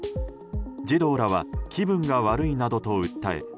児童らは気分が悪いなどと訴え